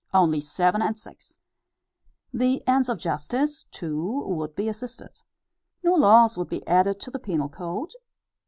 Only seven and six!" The ends of justice, too, would be assisted. New laws would be added to the penal code.